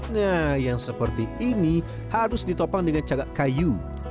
nah yang seperti ini harus ditopang dengan cagak kayu